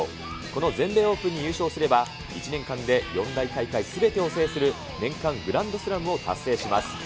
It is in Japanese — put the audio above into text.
この全米オープンに優勝すれば、１年間で四大大会すべてを制する、年間グランドスラムを達成します。